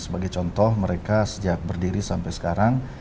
sebagai contoh mereka sejak berdiri sampai sekarang